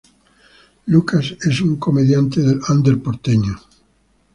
Lucas es un comediante del under porteño.